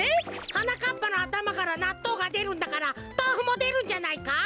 はなかっぱのあたまからなっとうがでるんだからとうふもでるんじゃないか？